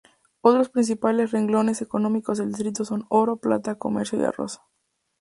Otros principales renglones económicos del distrito son Oro, plata, comercio y arroz.